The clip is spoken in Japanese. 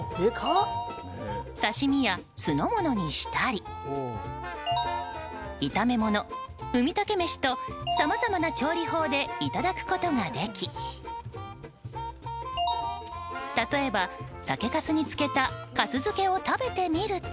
刺し身や酢の物にしたり炒め物、ウミタケ飯とさまざまな調理法でいただくことができ例えば、酒かすに漬けたかす漬けを食べてみると。